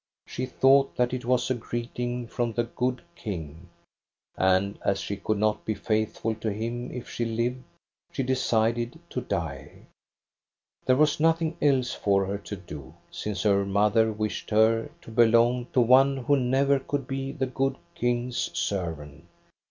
She thought that it was a greeting from the good King; and as she could not be faithful to him if she lived, she decided to die. There was nothing else for her to do, since her mother wished her to belong to one who never could be the good King's servant.